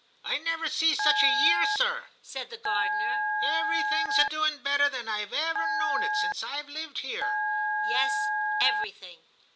' I never see such a year, sir,' said the gardener ;* everything is a doing better than I've ever known it since IVe lived here.' Yes. Everything.